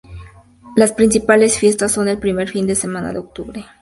Las principales fiestas son el primer fin de semana de octubre.